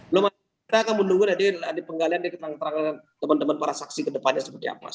belum ada kita akan menunggu tadi penggalian dari teman teman para saksi kedepannya seperti apa